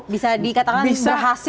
bisa dikatakan berhasil